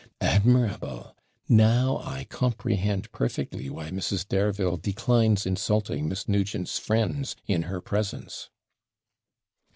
'Admirable! Now comprehend perfectly why Mrs. Dareville declines insulting Miss Nugent's friends in her presence.'